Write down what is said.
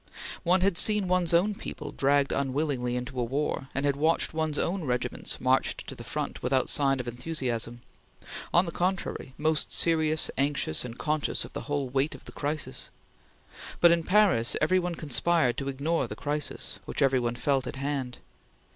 One had seen one's own people dragged unwillingly into a war, and had watched one's own regiments march to the front without sign of enthusiasm; on the contrary, most serious, anxious, and conscious of the whole weight of the crisis; but in Paris every one conspired to ignore the crisis, which every one felt at hand.